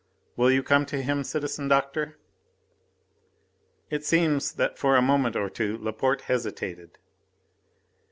Will you come to him, citizen doctor?" It seems that for a moment or two Laporte hesitated.